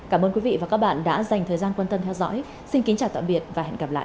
cảm ơn quý vị và các bạn đã dành thời gian quan tâm theo dõi xin kính chào tạm biệt và hẹn gặp lại